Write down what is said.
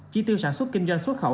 chi tiêu sản xuất kinh doanh xuất khẩu